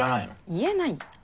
言えないよ。